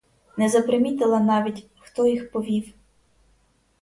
Не запримітила навіть, хто їх повів.